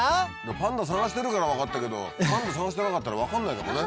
パンダ探してるから分かったけどパンダ探してなかったら分かんないかもね